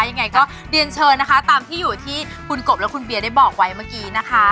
ยังไงก็เรียนเชิญนะคะตามที่อยู่ที่คุณกบและคุณเบียได้บอกไว้เมื่อกี้นะคะ